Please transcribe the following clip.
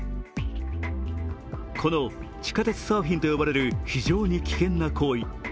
この地下鉄サーフィンと呼ばれる非常に危険な行為。